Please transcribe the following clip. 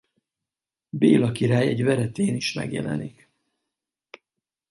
Béla király egy veretén is megjelenik.